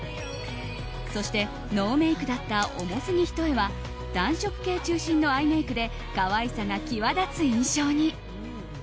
そして、ノーメイクだった重すぎ一重は暖色系中心のアイメイクで可愛さが際立つ印象に。